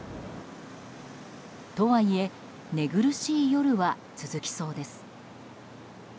とはいえ、寝苦しい夜は続きそうです。